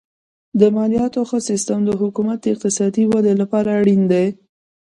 د مالیاتو ښه سیستم د حکومت د اقتصادي ودې لپاره اړین دی.